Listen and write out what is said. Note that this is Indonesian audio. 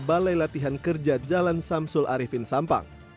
balai latihan kerja jalan samsul arifin sampang